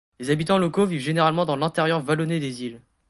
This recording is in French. Les habitants locaux vivent généralement dans l'intérieur vallonné des îles.